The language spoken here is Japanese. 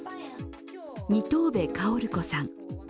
二藤部薫子さん。